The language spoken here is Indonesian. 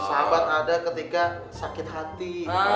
sahabat ada ketika sakit hati